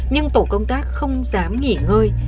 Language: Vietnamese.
nhưng tổ công tác không dám nghỉ ngơi